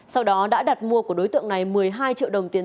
sau đó đã đặt mua của đối tượng này một mươi hai triệu đồng tiền